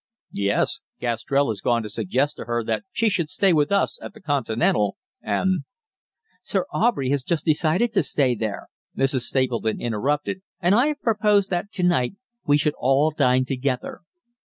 "Yes. Gastrell has gone to suggest to her that she should stay with us at the 'Continental,' and " "Sir Aubrey has just decided to stay there," Mrs. Stapleton interrupted, "and I have proposed that to night we should all dine together."